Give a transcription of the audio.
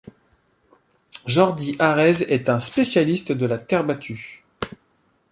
Jordi Arrese est un spécialiste de la terre battue.